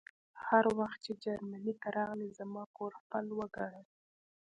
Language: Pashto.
هر وخت چې جرمني ته راغلې زما کور خپل وګڼه